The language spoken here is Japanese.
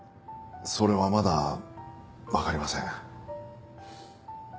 それはまだわかりません。